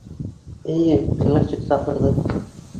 Эйе, Билалчик саҡырҙы.